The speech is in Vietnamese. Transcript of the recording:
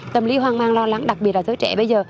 tâm lý hoang mang lo lắng đặc biệt là giới trẻ bây giờ